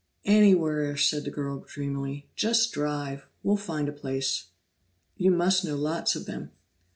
"Anywhere," said the girl dreamily. "Just drive; we'll find a place." "You must know lots of them."